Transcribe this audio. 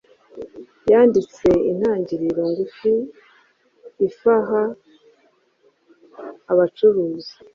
yandite intangiriro ngufi ifaha abacuruzi